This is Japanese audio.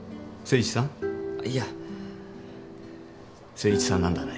誠一さんなんだね。